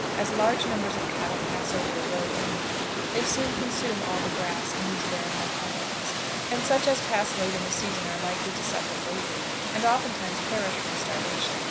As large numbers of cattle pass over the road annually, they soon consume all the grass in these barren localities, and such as pass late in the season are likely to suffer greatly, and oftentimes perish from starvation.